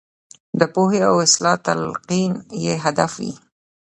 د پوهې او اصلاح تلقین یې هدف وي.